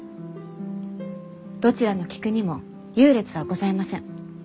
どちらの菊にも優劣はございません。